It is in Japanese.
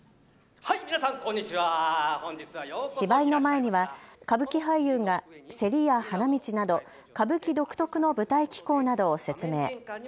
芝居の前には歌舞伎俳優がせりや花道など歌舞伎独特の舞台機構などを説明。